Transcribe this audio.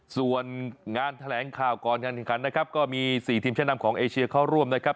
ส่วนงานแถลงข่าวก่อนการแข่งขันนะครับก็มี๔ทีมชะนำของเอเชียเข้าร่วมนะครับ